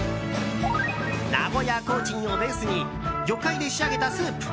名古屋コーチンをベースに魚介で仕上げたスープ。